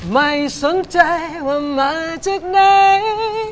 ไม่สนใจว่ามาจากไหน